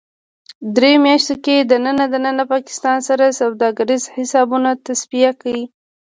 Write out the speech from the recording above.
دریو میاشتو کې دننه ـ دننه پاکستان سره سوداګریز حسابونه تصفیه کړئ